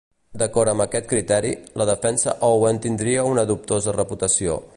D'acord amb aquest criteri, la defensa Owen tindria una dubtosa reputació.